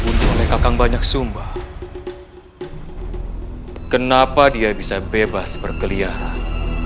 untuk oleh kakang banyak sumba kenapa dia bisa bebas berkeliaran